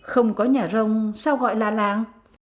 không có nhà rông sao gọi là làng